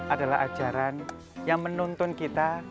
adalah ajaran yang menuntun kita